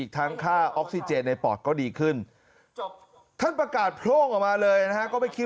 ที่พิธีกรรายการครัวคุณตร๋อย